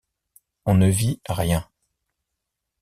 On ne vit rien.